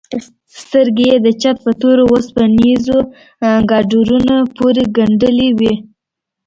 سترگې يې د چت په تورو وسپنيزو ګاډرونو پورې گنډلې وې.